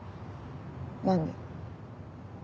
何で？